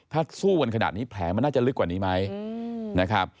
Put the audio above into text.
ถ้าสู้กันขนาดนี้แผลมันน่าจะลึกกว่านี้ไหมนะครับ